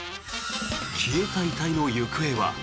消えた遺体の行方は。